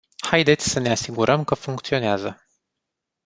Haideți să ne asigurăm că funcționează.